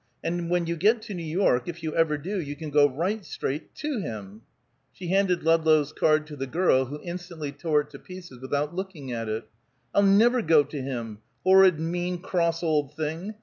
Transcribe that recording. And when you get to New York, if you ever do, you can go right straight to him." She handed Ludlow's card to the girl, who instantly tore it to pieces without looking at it. "I'll never go to him horrid, mean, cross old thing!